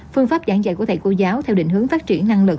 phương pháp giảng dạy của thầy cô giáo theo định hướng phát triển năng lực